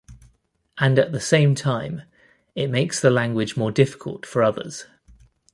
And at the same time, it makes the language more difficult for others.